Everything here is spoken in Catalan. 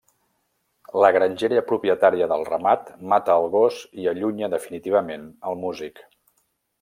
La grangera propietària del ramat mata el gos i allunya definitivament el músic.